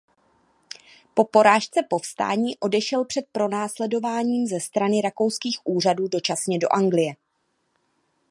Po porážce povstání odešel před pronásledováním ze strany rakouských úřadů dočasně do Anglie.